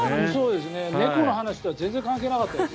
猫の話とは全然関係なかったです。